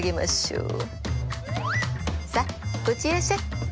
さあこっちいらっしゃい！